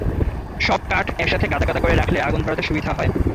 সব কাঠ একসাথে গাদা গাদা করে রাখলে আগুন ধরাতে সুবিধা হয়।